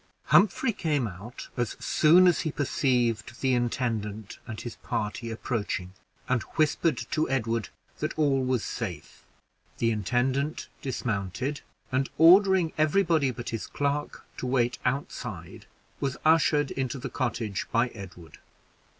Humphrey came out as soon as he perceived the intendant and his party approaching, and whispered to Edward that all was safe. The intendant dismounted, and ordering every body but his clerk to wait outside, was ushered into the cottage by Edward.